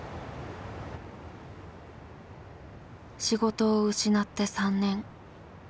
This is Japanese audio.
仕事を失って３年。